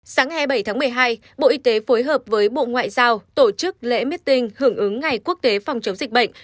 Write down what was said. sáng hai mươi bảy tháng một mươi hai bộ y tế phối hợp với bộ ngoại giao tổ chức lễ meeting hưởng ứng ngày quốc tế phòng chống dịch bệnh